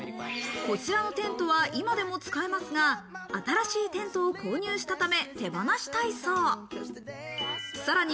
こちらのテントは今でも使えますが、新しいテントを購入したため、手放したいそう。